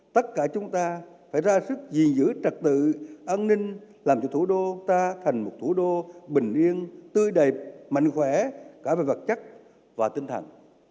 tất cả chúng ta phải ra sức giữ trật tự an ninh làm cho thủ đô ta thành một thủ đô bình yên tươi đẹp mạnh khỏe cả về vật chất và tinh thần